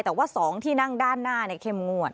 แต่ว่า๒ที่นั่งด้านหน้าเข้มงวด